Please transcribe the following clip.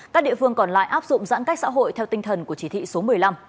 các địa phương còn lại áp dụng giãn cách xã hội theo tinh thần của chỉ thị số một mươi năm